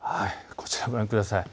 こちら、ご覧ください。